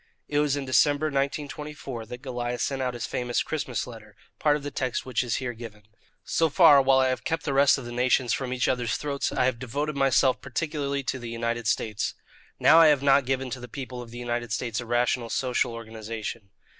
It was in December, 1924, that Goliah sent out his famous "Christmas Letter," part of the text of which is here given: "So far, while I have kept the rest of the nations from each other's throats, I have devoted myself particularly to the United States. Now I have not given to the people of the United States a rational social organization.